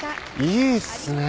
いいっすね。